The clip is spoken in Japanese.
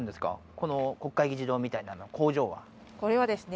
この国会議事堂みたいな工場はこれはですね